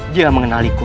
dia yang mengenaliku